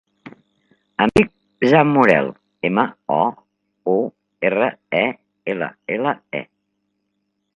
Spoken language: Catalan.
Em dic Jan Mourelle: ema, o, u, erra, e, ela, ela, e.